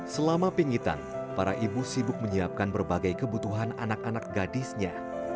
selama pingitan para ibu sibuk menyiapkan berbagai kebutuhan anak anak gadisnya